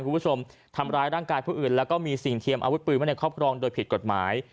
คุณผู้ชมทำร้ายร่างกายผู้อื่นแล้วก็มีสิ่งเทียมอาวุธปืนไว้ในครอบครองโดยผิดกฎหมาย